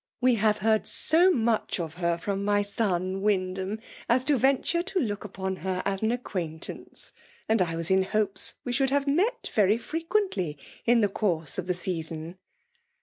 We have heard so much of her from my son Wyndham, as to ventiu'e to look upon her as an acquaintance ; and I was in hopes we should have met very frequently in the course of the season